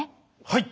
はい。